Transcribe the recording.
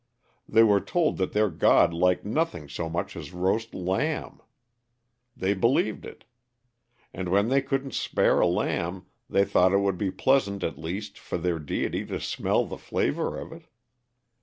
They were told that their God liked nothing so much as roast lamb. They believed it. And when they couldn't spare a lamb, they thought it would be pleasant at least for their deity to smell the flavor of it.